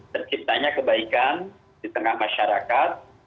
terciptanya kebaikan di tengah masyarakat